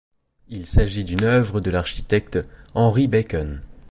Il s'agit d'une œuvre de l'architecte Henry Bacon.